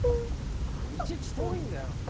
いちいち遠いんだよ。